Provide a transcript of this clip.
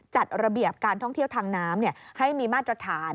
จัดระเบียบการท่องเที่ยวทางน้ำให้มีมาตรฐาน